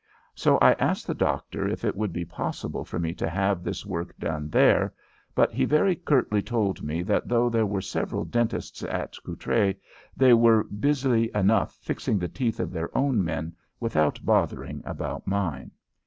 So I asked the doctor if it would be possible for me to have this work done there, but he very curtly told me that though there were several dentists at Courtrai, they were busy enough fixing the teeth of their own men without bothering about mine.